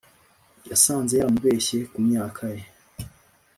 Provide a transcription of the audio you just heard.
yasanze yaramubeshye ku myaka ye